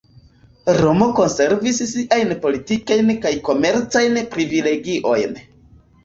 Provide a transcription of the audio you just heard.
Romo konservis siajn politikajn kaj komercajn privilegiojn.